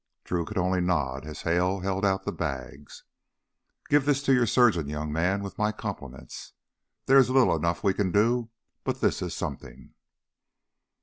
Drew could only nod as Hale held out the bags. "Give this to your surgeon, young man, with my compliments. There is little enough we can do, but this is something."